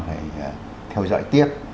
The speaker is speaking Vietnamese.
phải theo dõi tiếp